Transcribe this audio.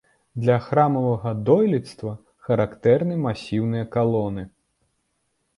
Для храмавага дойлідства характэрны масіўныя калоны.